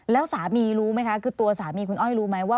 แล้วสามีรู้ไหมคะ